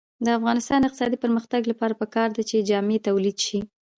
د افغانستان د اقتصادي پرمختګ لپاره پکار ده چې جامې تولید شي.